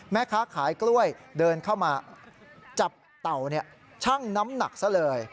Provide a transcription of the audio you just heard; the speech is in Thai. แม่ค้าขายกล้วยเดินเข้ามาจับเต่าชั่งน้ำหนักซะเลย